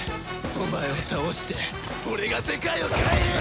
お前を倒して俺が世界を変える！